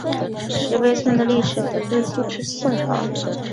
石牌村的历史可追溯至宋朝。